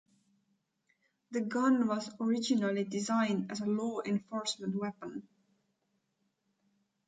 The gun was originally designed as a law enforcement weapon.